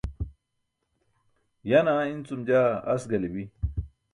Yaa naa incum jaa as galibi.